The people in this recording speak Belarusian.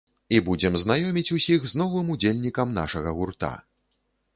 І будзем знаёміць усіх з новым удзельнікам нашага гурта.